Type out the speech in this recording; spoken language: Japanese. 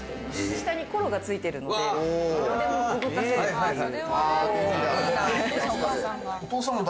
下にコロが付いてるのでどこでも動かせるっていう。